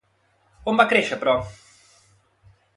On va créixer, però?